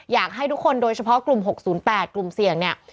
อยากให้ทุกคนโดยเฉพาะกลุ่ม๖๐๘กลุ่มเสี่ยงเนี่ย